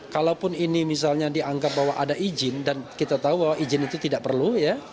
kalaupun ini misalnya dianggap bahwa ada izin dan kita tahu bahwa izin itu tidak perlu ya